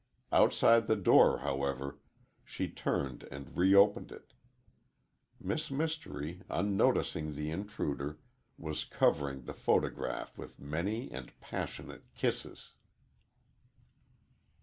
Outside the door, however, she turned and reopened it. Miss Mystery, unnoticing the intruder, was covering the photograph with many and passionate kisses.